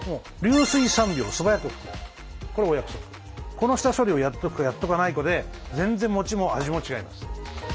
この下処理をやっとくかやっとかないかで全然もちも味も違います。